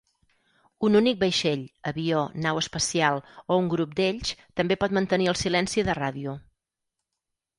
Un únic vaixell, avió, nau espacial o un grup d'ells també pot mantenir el silenci de ràdio.